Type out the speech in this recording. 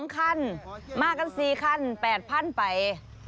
๒คันมากัน๔คัน๘๐๐ไป